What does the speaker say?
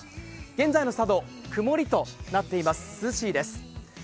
現在の佐渡、曇りとなっています、涼しいです。